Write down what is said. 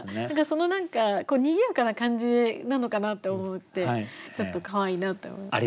そのにぎやかな感じなのかなって思ってちょっとかわいいなって思いました。